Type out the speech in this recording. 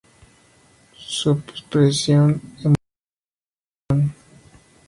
Supresión emocional y evitación.